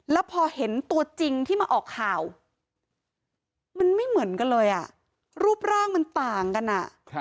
แล้วพอเห็นตัวจริงที่มาออกข่าวมันไม่เหมือนกันเลยรูปร่างมันต่างกัน